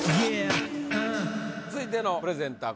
続いてのプレゼンター